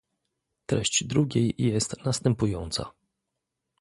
Treść drugiej jest następująca